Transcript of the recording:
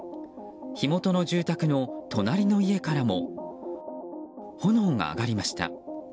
火元の住宅の隣の家からも炎が上がりました。